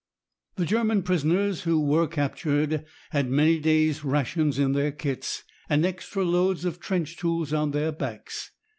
The German prisoners who were captured had many days' rations in their kits and extra loads of trench tools on their backs.